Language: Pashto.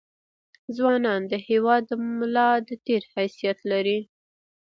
ځونان دهیواد دملا دتیر حیثت لري